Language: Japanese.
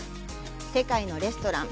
世界のレストラン